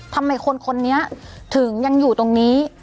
ทำไมคนคนนี้ถึงยังอยู่ตรงนี้